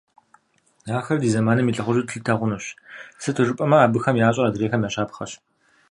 Ахэр ди зэманым и лӏыхъужьу тлъытэ хъунущ, сыту жыпӏэмэ, абыхэм ящӏэр адрейхэм я щапхъэщ.